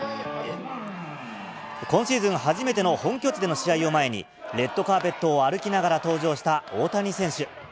今シーズン初めての本拠地での試合を前に、レッドカーペットを歩きながら登場した大谷選手。